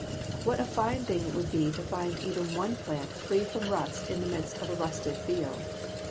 What a fine thing it would be to find even one plant free from rust in the midst of a rusted field!